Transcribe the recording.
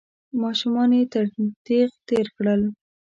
ماشومان يې تر تېغ تېر کړل.